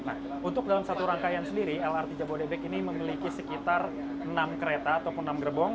nah untuk dalam satu rangkaian sendiri lrt jabodebek ini memiliki sekitar enam kereta ataupun enam gerbong